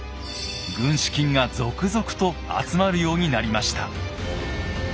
軍資金が続々と集まるようになりました。